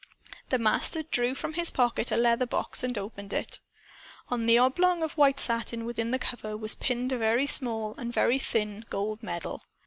The Master drew from his pocket a leather box, and opened it. On the oblong of white satin, within the cover, was pinned a very small and very thin gold medal.